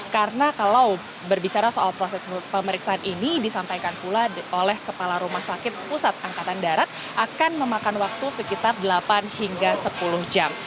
karena kalau berbicara soal proses pemeriksaan ini disampaikan pula oleh kepala rumah sakit pusat angkatan darat akan memakan waktu sekitar delapan hingga sepuluh jam